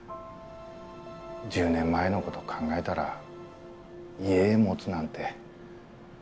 １０年前のこと考えだら家持つなんて。